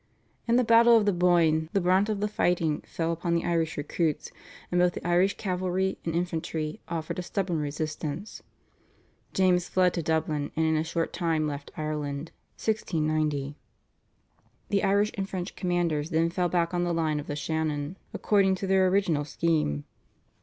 In the battle of the Boyne the brunt of the fighting fell upon the Irish recruits, and both the Irish cavalry and infantry offered a stubborn resistance. James fled to Dublin, and in a short time left Ireland (1690). The Irish and French commanders then fell back on the line of the Shannon, according to their original scheme.